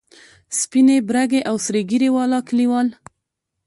سپینې، برګې او سرې ږیرې والا کلیوال.